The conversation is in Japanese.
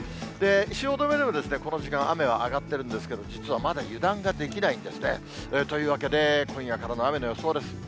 汐留でもこの時間、雨は上がってるんですけど、実はまだ油断ができないんですね。というわけで、今夜からの雨の予想です。